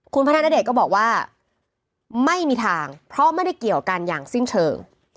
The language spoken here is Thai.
คุณพัฒนาเดชก็บอกว่าไม่มีทางเพราะไม่ได้เกี่ยวกันอย่างสิ้นเชิง